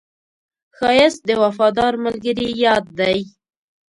ښایست د وفادار ملګري یاد دی